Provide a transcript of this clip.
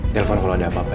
telepon kalau ada apa apa ya